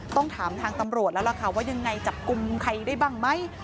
ต้องถามทางตำรวจแล้วล่ะค่ะว่ายังไงจับกลุ่มใครได้บ้างไหม